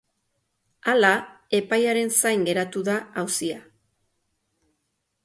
Hala, epaiaren zain geratu da auzia.